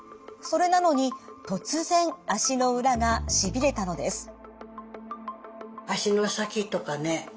それなのに突然足の裏がしびれたのです。